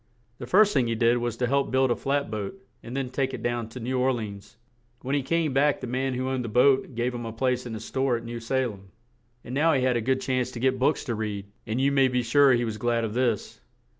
The first thing he did was to help build a flat boat and then take it down to New Or le ans; when he came back the man who owned the boat gave him a place in his store at New Sa lem; and now he had a good chance to get books to read; and you may be sure he was glad of this.